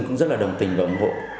cũng rất là đồng tình và ủng hộ